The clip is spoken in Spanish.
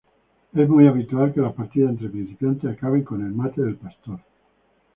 Es muy habitual que las partidas entre principiantes acaben con el mate del pastor.